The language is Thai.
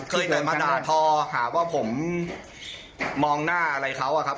เคยแต่มาด่าทอหาว่าผมมองหน้าอะไรเขาอะครับ